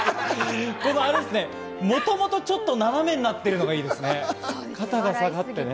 もともとちょっと斜めになってるのがいいですね。